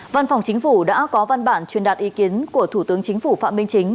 văn phòng chính phủ đã có văn bản truyền đạt ý kiến của thủ tướng chính phủ phạm minh chính